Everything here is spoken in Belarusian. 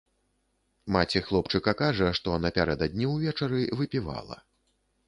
Маці хлопчыка кажа, што напярэдадні ўвечары выпівала.